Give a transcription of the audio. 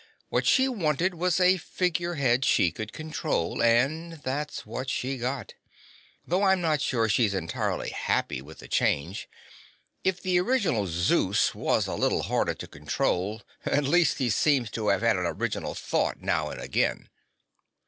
"What she wanted was a figurehead she could control and that's what she got. Though I'm not sure she's entirely happy with the change. If the original Zeus was a little harder to control, at least he seems to have had an original thought now and again."